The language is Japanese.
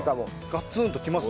ガツンときます